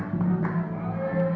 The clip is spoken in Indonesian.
marilin bukanlah perempuan biasa